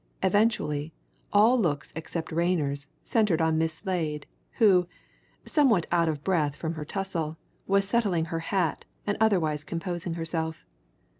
Eventually, all looks except Rayner's centred on Miss Slade, who, somewhat out of breath from her tussle, was settling her hat and otherwise composing herself.